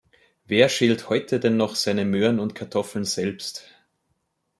Wer schält heute denn noch seine Möhren und Kartoffeln selbst?